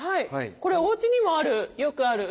これおうちにもある。